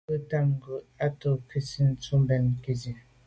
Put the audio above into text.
A be tam ngu’ à to’ nke ntsin tù mbèn nke nzine.